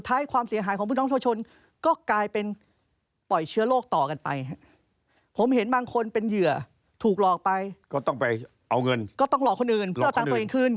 เอาเงินก็ต้องหลอกคนอื่นเพื่อเอาตังค์ตัวเองคืน